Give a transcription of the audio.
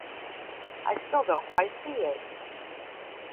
I still don’t quite see it.